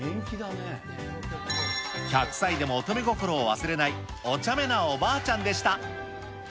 １００歳でも乙女心を忘れないおちゃめなおばあちゃんでした。